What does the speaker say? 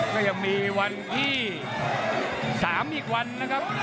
ก็ยังมีวันที่๓อีกวันนะครับ